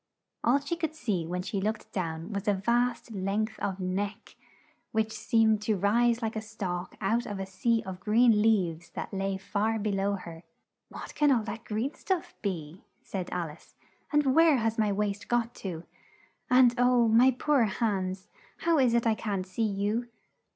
All she could see when she looked down was a vast length of neck, which seemed to rise like a stalk out of a sea of green leaves that lay far be low her. "What can all that green stuff be?" said Al ice. "And where has my waist got to? And oh, my poor hands, how is it I can't see you?"